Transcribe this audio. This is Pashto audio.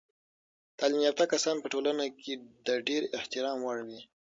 تعلیم یافته کسان په ټولنه کې د ډیر احترام وړ وي.